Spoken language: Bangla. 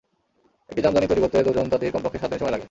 একটি জামদানি তৈরি করতে দুজন তাঁতির কমপক্ষে সাত দিন সময় লাগে।